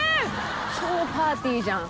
超パーティーじゃん。